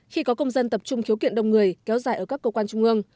khi có công dân tập trung khiếu kiện đông người kéo dài ở các cơ quan trung ương